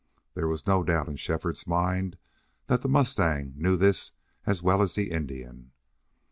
There was no doubt in Shefford's mind that the mustang knew this as well as the Indian.